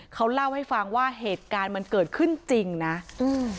เขาเล่าให้ฟังว่าเหตุการณ์มันเกิดขึ้นจริงนะอืม